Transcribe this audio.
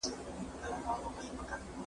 دا کتاب د ځوانانو لپاره ډېر ګټور دی.